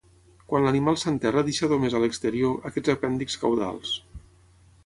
Quan l'animal s'enterra deixa només a l'exterior aquests apèndixs caudals.